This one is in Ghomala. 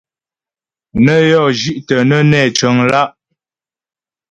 Nə́ yɔ́ zhi'tə nə́ nɛ́ cəŋ lá'.